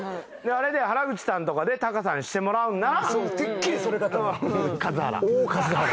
あれで原口さんとかでタカさんしてもらうんなら。